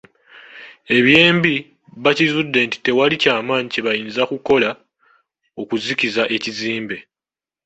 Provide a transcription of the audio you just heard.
Eby'embi, baakizudde nti tewali kyamaanyi kye bayinza kukola okuzikiza ekizimbe.